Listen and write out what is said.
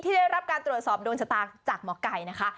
ได้รับการตรวจสอบโดนชะตาจากหมอไก่นะคะ